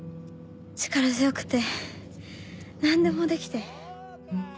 力強くて何でもできて。